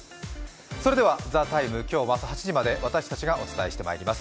それでは「ＴＨＥＴＩＭＥ，」、今日も朝８時まで私たちがお伝えしてまいります。